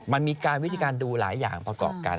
มันมีการวิธีการดูหลายอย่างประกอบกัน